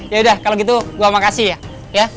ya udah kalau gitu gue makasih ya